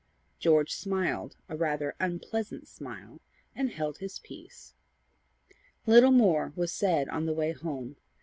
George smiled a rather unpleasant smile and held his peace. Little more was said on the way home.